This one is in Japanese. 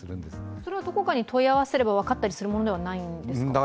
それはどこかに問い合わせれば分かったりするものじゃないんですか？